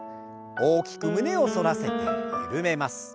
大きく胸を反らせて緩めます。